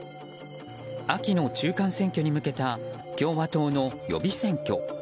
秋の中間選挙に向けた共和党の予備選挙。